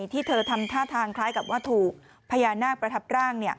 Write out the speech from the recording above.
ที่เธอทำท่าทางคล้ายกับว่าถูกพญานาคประทับร่าง